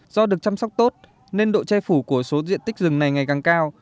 do được chăm sóc tốt nên độ che phủ của số diện tích rừng này ngày càng cao